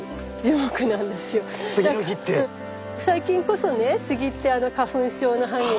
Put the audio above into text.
最近こそねスギって花粉症の犯人。